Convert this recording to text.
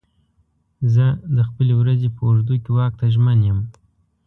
زه د خپلې ورځې په اوږدو کې واک ته ژمن یم.